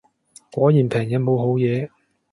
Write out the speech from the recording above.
果然平嘢冇好嘢